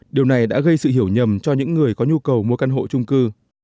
điều này đã gây sự hiểu nhầm cho những người có nhu cầu mua căn hộ trung cư